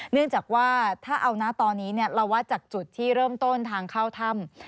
เนื่องจากว่าถ้าเอานะตอนนี้เราวัดจากจุดที่เริ่มต้นทางเข้าถ้ำ